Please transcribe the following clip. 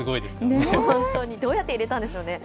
本当に、どうやって入れたんでしょうね。